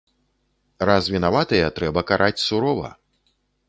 Раз вінаватыя, трэба караць сурова.